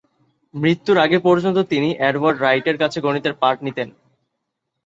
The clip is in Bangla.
মৃত্যুর আগে পর্যন্ত তিনি এডওয়ার্ড রাইটের কাছে গণিতের পাঠ নিতেন।